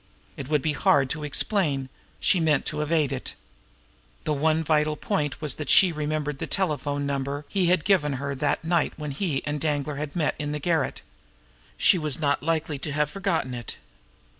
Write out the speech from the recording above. It would be hard to explain she meant to evade it. The one vital point was that she remembered the telephone number he had given her that night when he and Danglar had met in the garret. She was not likely to have forgotten it!